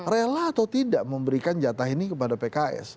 rela atau tidak memberikan jatah ini kepada pks